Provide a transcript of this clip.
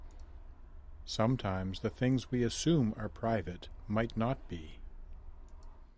Sometimes, the things we assume are private might not be.